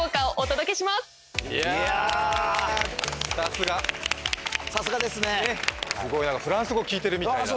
さすがさすがですねすごいあのフランス語聞いてるみたいなああ